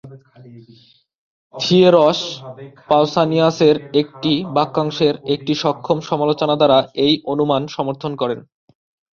থিয়েরশ পাউসানিয়াসের একটি বাক্যাংশের একটি সক্ষম সমালোচনা দ্বারা এই অনুমান সমর্থন করেন।